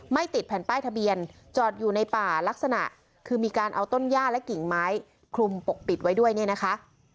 ติดแผ่นป้ายทะเบียนจอดอยู่ในป่าลักษณะคือมีการเอาต้นย่าและกิ่งไม้คลุมปกปิดไว้ด้วยเนี่ยนะคะ